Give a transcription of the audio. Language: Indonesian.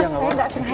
saya gak sengaja